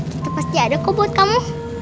itu pasti ada kok buat kamu